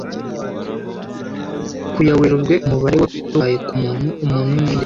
Ku ya Werurwe Umubare Wari Uhambaye Kumuntu Umuntu Ninde?